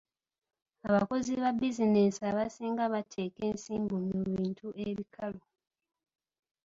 Abakozi ba bizinensi abasinga bateeka ensimbi mu bintu ebikalu.